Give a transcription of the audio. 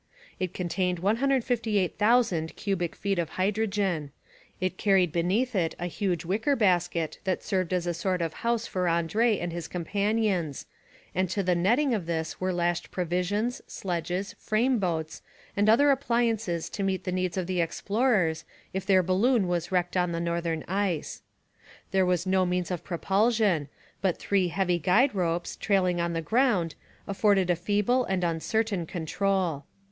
It contained 158,000 cubic feet of hydrogen; it carried beneath it a huge wicker basket that served as a sort of house for Andrée and his companions, and to the netting of this were lashed provisions, sledges, frame boats, and other appliances to meet the needs of the explorers if their balloon was wrecked on the northern ice. There was no means of propulsion, but three heavy guide ropes, trailing on the ground, afforded a feeble and uncertain control.